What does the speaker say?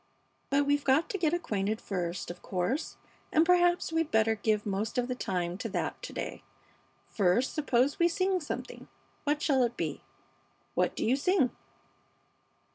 But we've got to get acquainted first, of course, and perhaps we'd better give most of the time to that to day. First, suppose we sing something. What shall it be? What do you sing?"